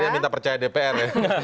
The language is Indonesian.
minta percaya dpr